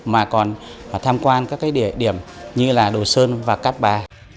mà còn tham quan các địa điểm như là đồ sơn và cát bà